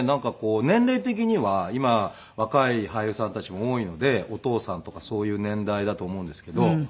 年齢的には今若い俳優さんたちも多いのでお父さんとかそういう年代だと思うんですけど。